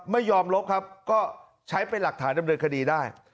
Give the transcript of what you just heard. ไม่ยอมลบครับก็ใช้เป็นหลักฐานดำเนินคดีได้